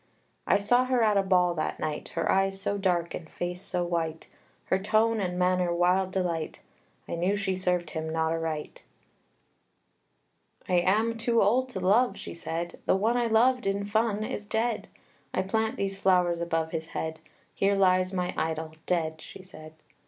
I saw her at a ball that night, Her eyes so dark and face so white, Her tone and manner wild delight; I knew she served him not aright. II. "I am too old to love," she said; "The one I loved in fun is dead! I plant these flowers above his head, Here lies my idol, dead!" she said.